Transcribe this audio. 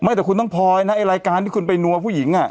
แต่คุณต้องพลอยนะไอ้รายการที่คุณไปนัวผู้หญิง